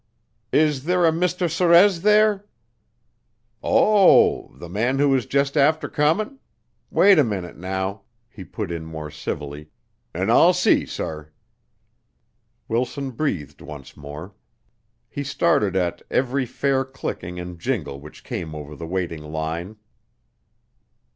"Is there a Mr. Sorez there " "Oh, the man who is just after comin'? Wait a minute now," he put in more civilly, "an' I'll see, sor." Wilson breathed once more. He started at every fairy clicking and jingle which came over the waiting line.